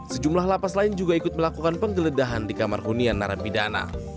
sejumlah lapas lain juga ikut melakukan penggeledahan di kamar hunian narapidana